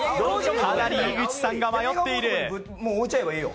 かなり井口さんが迷っている。